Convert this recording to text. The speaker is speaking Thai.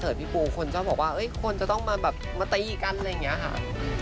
คอนเสิร์ตพี่ปูคนชอบบอกว่าคนจะต้องมาแบบมาตีกันอะไรอย่างเงี้ยค่ะ